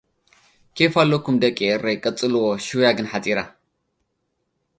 ኬፍ ኣለኩም ደቂ ኤረይ ቀጽልዎ ሽወያ ግን ሓጺራ